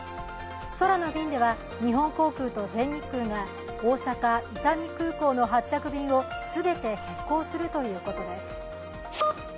空の便では日本航空と全日空が大阪・伊丹空港の発着便を全て欠航するということです。